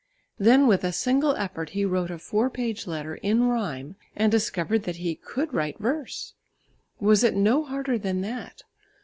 Then with a single effort he wrote a four page letter in rhyme and discovered that he could write verse. Was it no harder than that?